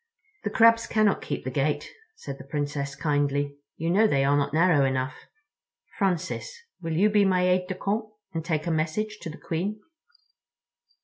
"The Crabs cannot keep the gate," said the Princess kindly. "You know they are not narrow enough. Francis, will you be my aide de camp and take a message to the Queen?"